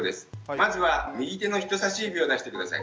まずは右手の人さし指を出して下さい。